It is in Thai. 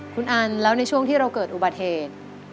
คุณอันแล้วในช่วงที่เราเกิดอุบัติเหตุ